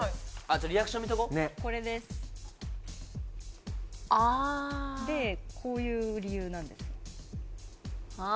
じゃあリアクション見とここれですああでこういう理由なんですあ